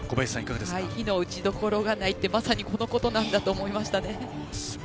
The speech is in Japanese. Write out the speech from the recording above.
非の打ちどころがないってまさにこのことなんだと思いましたね。